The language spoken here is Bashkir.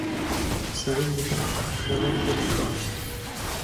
Сирень еҫен аңҡытып йылы ел иҫә.